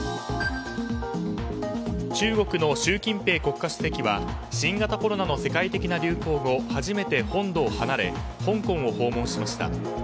中国の習近平国家主席は新型コロナの世界的な流行後初めて本土を離れ香港を訪問しました。